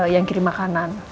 yang kirim makanan